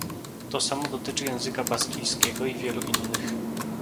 To samo dotyczy języka baskijskiego i wielu innych